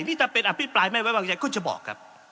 นี่ถ้าเป็นอภิปรายไม่ไว้วางใจคุณจะบอกครับ